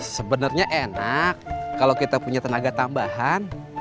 sebenernya enak kalo kita punya tenaga tambahan